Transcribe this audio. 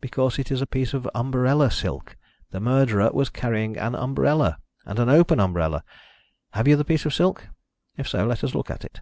"Because it is a piece of umbrella silk. The murderer was carrying an umbrella and an open umbrella have you the piece of silk? If so, let us look at it."